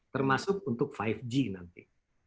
termasuk untuk lima g nanti